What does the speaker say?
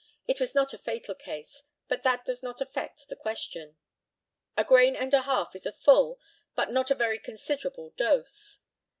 It was not a fatal case, but that does not affect the question. A grain and a half is a full, but not a very considerable dose.